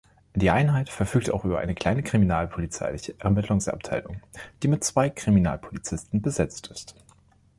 Die Einheit verfügt auch über eine kleine kriminalpolizeiliche Ermittlungsabteilung, die mit zwei Kriminalpolizisten besetzt ist.